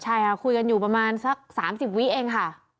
ใช่ค่ะคุยกันอยู่ประมาณสัก๓๐วิเองค่ะ